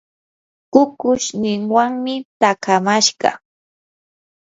kukushninwanmi taakamashqa.